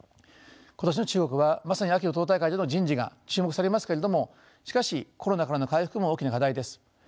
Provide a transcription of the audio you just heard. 今年の中国はまさに秋の党大会での人事が注目されますけれどもしかしコロナからの回復も大きな課題です。